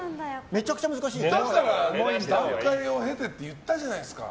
だから段階を経てって言ったじゃないですか。